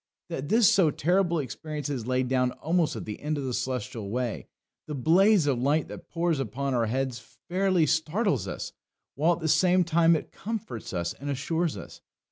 That this so terrible experience is laid down almost at the end of the Celestial way the blaze of light that pours upon our heads fairly startles us, while at the same time it comforts us and assures us.